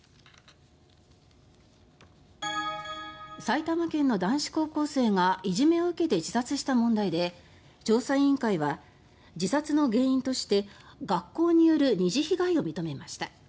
埼玉県の男子高校生がいじめを受けて自殺した問題で調査委員会は自殺の原因として学校による二次被害を認めました。